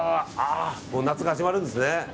夏が始まるんですね。